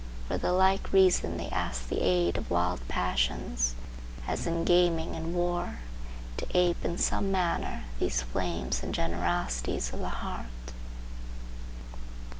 For the like reason they ask the aid of wild passions, as in gaming and war, to ape in some manner these flames and generosities of the heart.